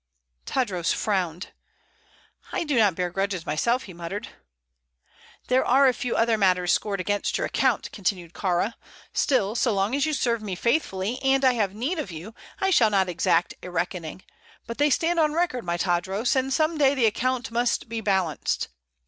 Tadros frowned. "I do not bear grudges myself," he muttered. "There are a few other matters scored against your account," continued Kāra. "Still, so long as you serve me faithfully, and I have need of you, I shall not exact a reckoning; but they stand on record, my Tadros, and some day the account must be balanced.